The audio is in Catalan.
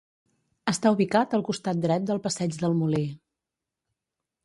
Està ubicat al costat dret del passeig del molí.